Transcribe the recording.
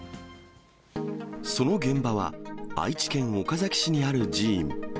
その現場は、愛知県岡崎市にある寺院。